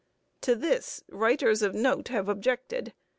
To this writers of note have objected.